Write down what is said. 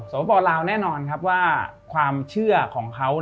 สปลาวแน่นอนครับว่าความเชื่อของเขา